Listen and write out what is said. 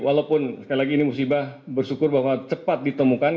walaupun sekali lagi ini musibah bersyukur bahwa cepat ditemukan